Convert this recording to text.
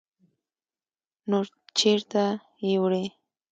_نو چېرته يې وړې؟